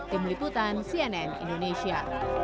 tim liputan cnn indonesia